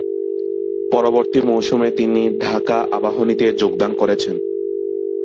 পরবর্তী মৌসুমে তিনি ঢাকা আবাহনীতে যোগদান করেছেন।